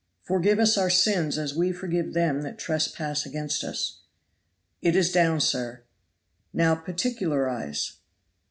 "Forgive us our sins as we forgive them that trespass against us.'" "It is down, sir." "Now particularize."